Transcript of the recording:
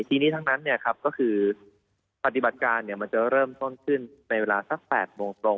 ที่นี่ทั้งนั้นเนี่ยครับก็คือปฏิบัติการเนี่ยมันจะเริ่มต้นขึ้นในเวลาสักแปดโมงตรง